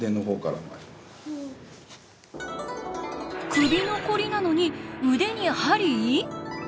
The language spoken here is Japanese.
首のコリなのに腕に鍼？